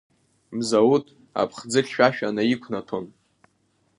Мзауҭ аԥхӡы хьшәашәа наиқәнаҭәон.